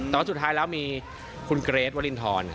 แต่สุดท้ายแล้วมีคุณเกรตวิทย์ว้าลินทร